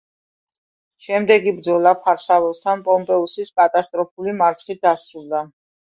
შემდეგი ბრძოლა ფარსალოსთან პომპეუსის კატასტროფული მარცხით დასრულდა.